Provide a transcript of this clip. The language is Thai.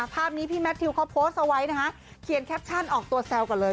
ภาพนี้พี่แมททิวเขาโพสต์เอาไว้นะคะเขียนแคปชั่นออกตัวแซวก่อนเลย